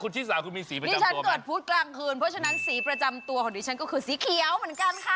ชิสาคุณมีสีพอดีดิฉันเกิดพุธกลางคืนเพราะฉะนั้นสีประจำตัวของดิฉันก็คือสีเขียวเหมือนกันค่ะ